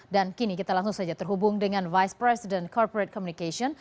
kini kita langsung saja terhubung dengan vice president corporate communication